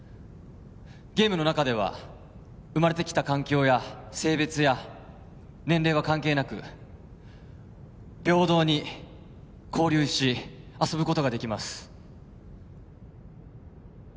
ゲームの中では生まれてきた環境や性別や年齢は関係なく平等に交流し遊ぶことができます